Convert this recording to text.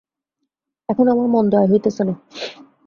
এখন আমার মন্দ আয় হইতেছে না।